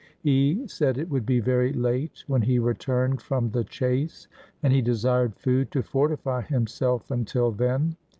He said it would be very late when he returned from the chase, and he desired food to fortify himself until then.